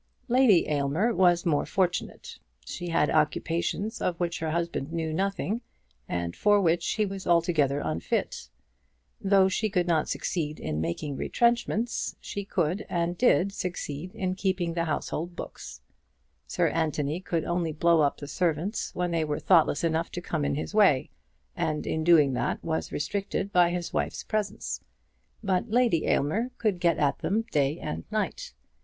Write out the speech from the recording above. Lady Aylmer was more fortunate. She had occupations of which her husband knew nothing, and for which he was altogether unfit. Though she could not succeed in making retrenchments, she could and did succeed in keeping the household books. Sir Anthony could only blow up the servants when they were thoughtless enough to come in his way, and in doing that was restricted by his wife's presence. But Lady Aylmer could get at them day and night.